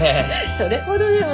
それほどでも。